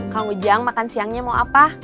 kang ujang makan siangnya mau apa